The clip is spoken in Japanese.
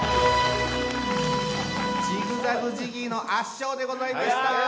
ジグザグジギーの圧勝でございました。